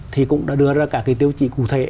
thì cũng đã đưa ra cả cái tiêu chuẩn cụ thể